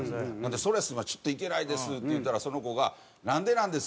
「それはちょっと行けないです」って言うたらその子が「なんでなんですか？」